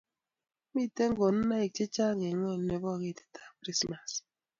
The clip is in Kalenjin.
mito konunoik che chang' eng' ngweny nebo ketitab krismas